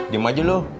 diam aja loh